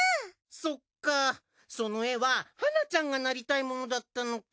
そっかその絵ははなちゃんがなりたいものだったのか。